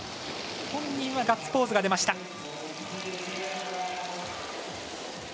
本人はガッツポーズが出ました。